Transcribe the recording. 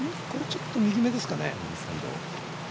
ちょっと右目ですかね。